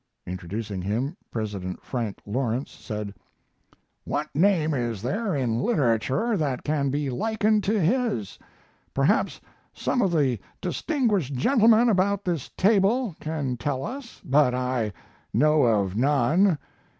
Introducing him, President Frank Lawrence said: "What name is there in literature that can be likened to his? Perhaps some of the distinguished gentlemen about this table can tell us, but I know of none.